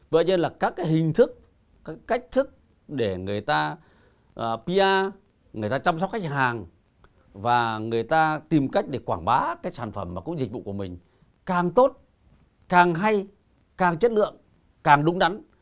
vậy nên là các cái hình thức các cách thức để người ta pr người ta chăm sóc khách hàng và người ta tìm cách để quảng bá cái sản phẩm và cũng dịch vụ của mình càng tốt càng hay càng chất lượng càng đúng đắn